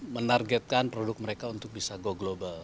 menargetkan produk mereka untuk bisa go global